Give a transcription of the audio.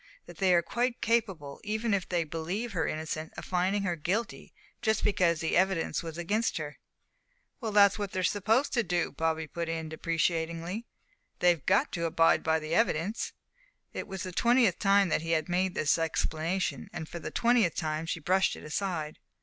that they are quite capable, even if they believe her innocent, of finding her guilty, just because the evidence was against her." "Well that's what they're supposed to do," Bobby put in, deprecatingly, "they've got to abide by the evidence." It was the twentieth time that he had made this explanation, and for the twentieth time, she brushed it aside.